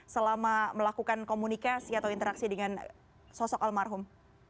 selama melakukan komunikasi atau interaksi dengan sosok almarhum